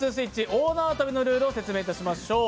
「大なわとび」のルールを説明しましょう。